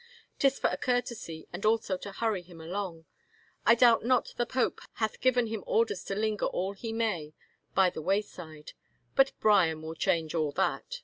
'Tis for a courtesy and also to hurry him along. I doubt not the pope hath given him orders to linger all he may by the wayside, but Bryan will change all that.